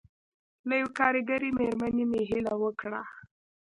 له یوې کارګرې مېرمنې مې هیله وکړه.